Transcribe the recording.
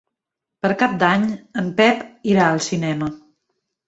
Per Cap d'Any en Pep irà al cinema.